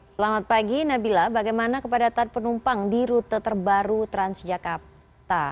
selamat pagi nabila bagaimana kepadatan penumpang di rute terbaru transjakarta